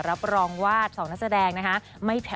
รับรองวาดสองนักแสดงนะคะ